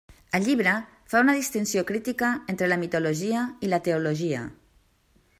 El llibre fa una distinció crítica entre la mitologia i la teologia.